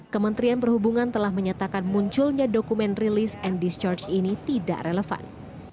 kementerian perhubungan telah menyatakan munculnya dokumen release and discharge ini tidak relevan